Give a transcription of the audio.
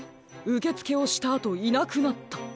うけつけをしたあといなくなった？